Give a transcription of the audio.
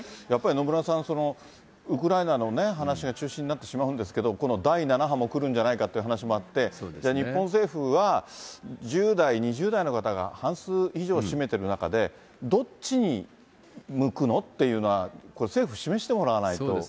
やっぱり野村さん、ウクライナの話が中心になってしまうんですけど、この第７波も来るんじゃないかっていう話もあって、日本政府は、１０代、２０代の方が半数以上占めてる中で、どっちに向くの？っていうのは、これ、政府、示してもらわないと。